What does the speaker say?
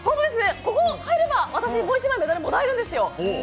ここ入れば私もう１枚メダルもらえるんですよ！